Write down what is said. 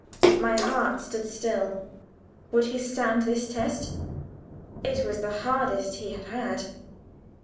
My heart stood still. Would he stand this test? It was the hardest he had had.